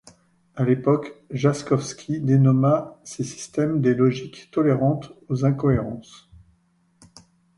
À l’époque, Jaśkowski dénomma ses systèmes des logiques tolérantes aux incohérences.